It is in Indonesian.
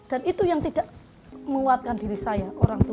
dan itu yang tidak menguatkan diri saya orang tua